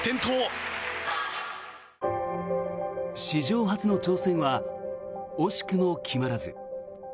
史上初の挑戦は惜しくも決まらず。